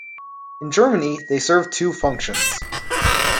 In Germany, they serve two functions.